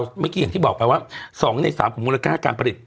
เมื่อกี้อย่างที่บอกไปว่า๒ใน๓ของมูลค่าการผลิต